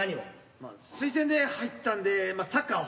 まあ推薦で入ったんでサッカーを。